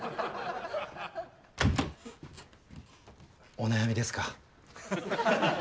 お悩みですか？